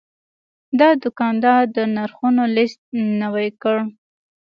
دا دوکاندار د نرخونو لیست نوي کړ.